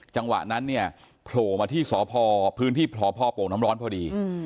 จังหวะนั้นเนี่ยโผล่มาที่สพพื้นที่สพโป่งน้ำร้อนพอดี